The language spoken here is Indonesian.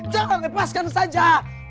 jangan lepaskan saja